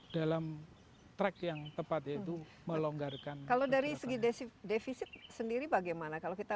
dalam track yang tepat yaitu melonggarkan kalau dari segi desi defisit sendiri bagaimana kalau kita